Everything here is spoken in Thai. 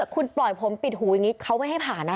คุณปล่อยผมปิดหูอย่างนี้เขาไม่ให้ผ่านนะ